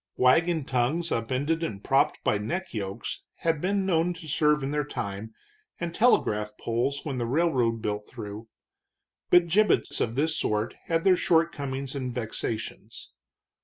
Wagon tongues upended and propped by neckyokes had been known to serve in their time, and telegraph poles when the railroad built through. But gibbets of this sort had their shortcomings and vexations.